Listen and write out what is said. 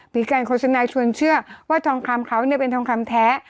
มีการโฆษณาชวนเชื่อว่าทองคำเขาเป็นทองคำแท้